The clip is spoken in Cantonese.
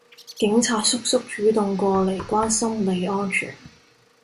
警察叔叔主動過嚟關心你安全